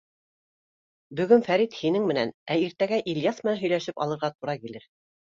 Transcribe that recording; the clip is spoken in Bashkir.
Бөгөн Фәрит һинең менән, ә иртәгә Ильяс менән һөйләшеп алырға тура килер.